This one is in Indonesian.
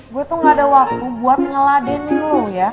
gue tuh gak ada waktu buat ngeladenin lo ya